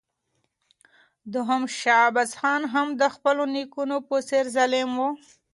دوهم شاه عباس هم د خپلو نیکونو په څېر ظالم و.